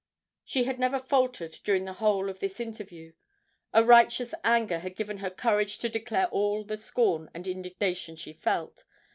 She had never faltered during the whole of this interview. A righteous anger had given her courage to declare all the scorn and indignation she felt.